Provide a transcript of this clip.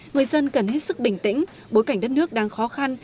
người dân cần hết sức bình tĩnh bối cảnh đất nước đang khó khăn